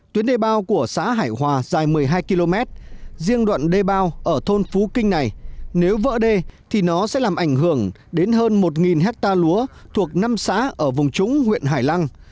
tuyến đề bao của xã hải hòa dài một mươi hai km riêng đoạn đê bao ở thôn phú kinh này nếu vỡ đê thì nó sẽ làm ảnh hưởng đến hơn một hectare lúa thuộc năm xã ở vùng trúng huyện hải lăng